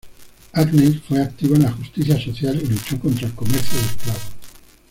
Agnes fue activa en la justicia social y luchó contra el comercio de esclavos.